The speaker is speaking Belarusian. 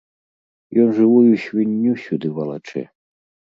Ён жывую свінню сюды валачэ!